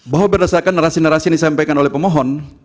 bahwa berdasarkan narasi narasi yang disampaikan oleh pemohon